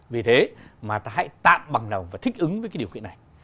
vì thế mà ta hãy tạm bằng đầu và thích ứng với cái điều khiển này